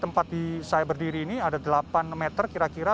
tempat saya berdiri ini ada delapan meter kira kira